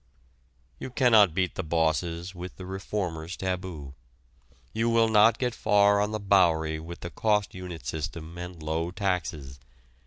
You cannot beat the bosses with the reformer's taboo. You will not get far on the Bowery with the cost unit system and low taxes.